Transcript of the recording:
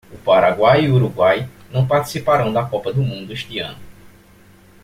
O Paraguai e o Uruguai não participarão da Copa do Mundo este ano.